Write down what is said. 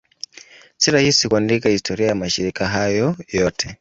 Si rahisi kuandika historia ya mashirika hayo yote.